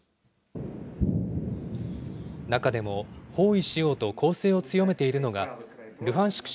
中でも包囲しようと攻勢を強めているのが、ルハンシク